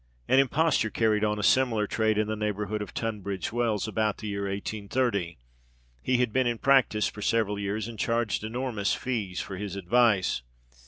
An impostor carried on a similar trade in the neighbourhood of Tunbridge Wells about the year 1830. He had been in practice for several years, and charged enormous fees for his advice.